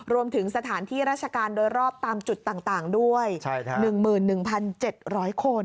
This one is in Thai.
รวมถึงสถานที่ราชการโดยรอบตามจุดต่างด้วย๑๑๗๐๐คน